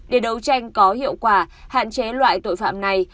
để đấu tranh có hiệu quả hạn chế loại tội phạm này